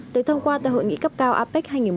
được thông qua tại hội nghị cấp cao apec hai nghìn một mươi